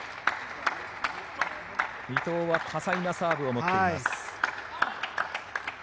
伊藤は多彩なサーブを持っています。